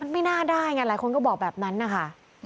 ใช่งั้นหลายคนก็บอกแบบนั้นนะค่ะ